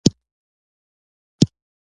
علمي بحث یې زړونو ته کوز کړی.